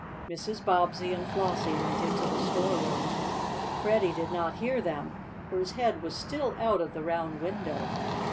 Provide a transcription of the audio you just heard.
Mrs. Bobbsey and Flossie went into the storeroom. Freddie did not hear them, for his head was still out of the round window.